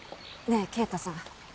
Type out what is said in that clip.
ねえ慶太さん